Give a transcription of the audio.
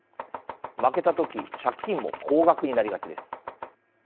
負けたとき借金も高額になりがちです。